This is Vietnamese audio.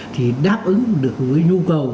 thì đáp ứng được với nhu cầu